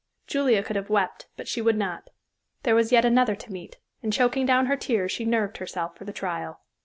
Julia could have wept, but she would not. There was yet another to meet, and choking down her tears she nerved herself for the trial.